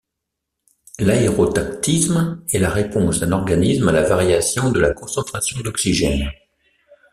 L'aérotactisme est la réponse d'un organisme à la variation de la concentration d'oxygène.